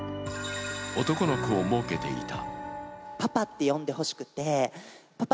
男の子をもうけていた。